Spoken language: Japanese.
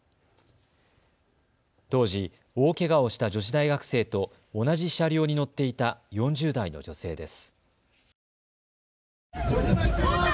当時、大けがをした女子大学生と同じ車両に乗っていた４０代の女性です。